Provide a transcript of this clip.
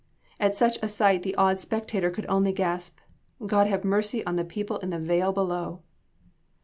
At such a sight the awed spectator could only gasp, "God have mercy on the people in the vale below."